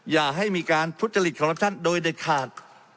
อย่าให้มีการทุจจฤทธิ์ความรับชาติโดยเด็ดขาด